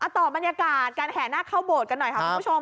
ต่อบรรยากาศการแห่นาคเข้าโบสถ์กันหน่อยค่ะคุณผู้ชม